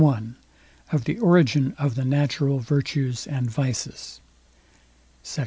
I OF THE ORIGIN OF THE NATURAL VIRTUES AND VICES SECT.